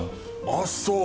あっそう！